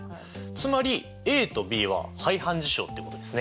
つまりＡとＢは排反事象ということですね。